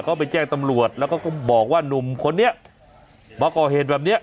เขาไปแจ้งตำรวจแล้วก็บอกว่าหนุ่มคนนี้มาก่อเหตุแบบนี้